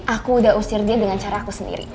aku udah usir dia dengan cara aku sendiri